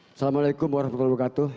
assalamualaikum warahmatullahi wabarakatuh